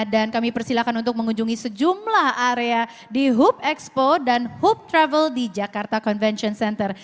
dan kami persilakan untuk mengunjungi sejumlah area di hoop expo dan hoop travel di jakarta convention center